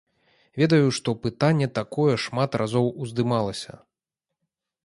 Ведаю, што пытанне такое шмат разоў уздымалася.